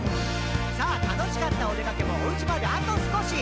「さぁ楽しかったおでかけもお家まであと少し」